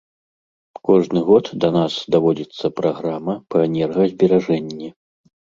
Кожны год да нас даводзіцца праграма па энергазберажэнні.